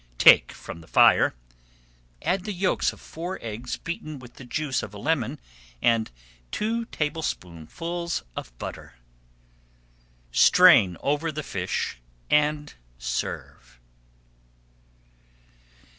Take from the fire, add the yolks of four eggs beaten with the juice of a lemon, and two tablespoonfuls of butter. Strain over the fish and serve.